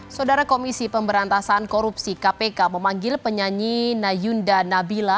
saudara komisi pemberantasan korupsi kpk memanggil penyanyi nayunda nabila